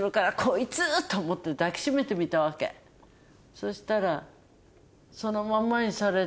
そしたら。